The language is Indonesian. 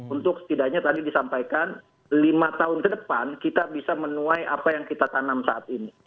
untuk setidaknya tadi disampaikan lima tahun ke depan kita bisa menuai apa yang kita tanam saat ini